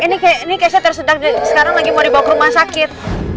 ini kayaknya sekarang lagi mau dibawa ke rumah sakit